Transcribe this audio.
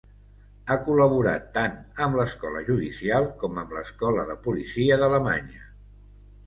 Ha col·laborat tant amb Escola Judicial com amb l'Escola de Policia d'Alemanya.